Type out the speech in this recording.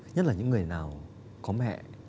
nhất là những người nào có mẹ